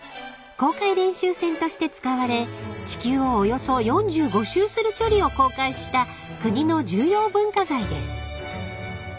［航海練習船として使われ地球をおよそ４５周する距離を航海した国の重要文化財です］